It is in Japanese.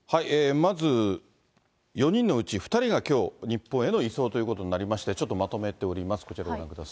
まず、４人のうち２人がきょう、日本への移送ということになりまして、ちょっとまとめております、こちらご覧ください。